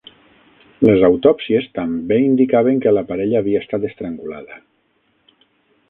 Les autòpsies també indicaven que la parella havia estat estrangulada.